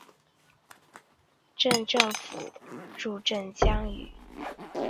镇政府驻镇江圩。